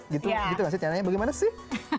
gitu kan sih tiana bagaimana sih